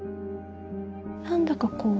何だかこう